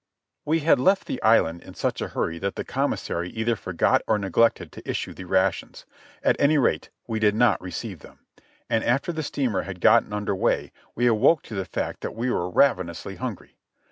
W'e had left the island in such a hurry that the commissary either forgot or neglected to issue the rations; at any rate, we did not receive them ; and after the steamer had gotten under way we awoke to the fact that we were ravenously hungry.